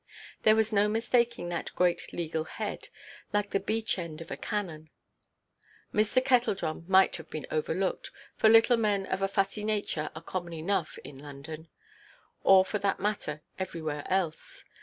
There was no mistaking that great legal head, like the breech–end of a cannon. Mr. Kettledrum might have been overlooked, for little men of a fussy nature are common enough in London, or for that matter everywhere else.